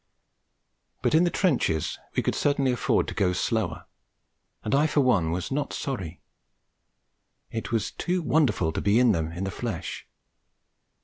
But in the trenches we could certainly afford to go slower, and I for one was not sorry. It was too wonderful to be in them in the flesh.